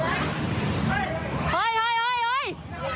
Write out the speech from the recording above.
เฮ้ยเฮ้ยเฮ้ย